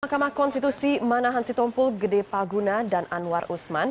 mahkamah konstitusi manahan sitompul gede paguna dan anwar usman